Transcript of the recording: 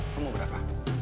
lu mau berapa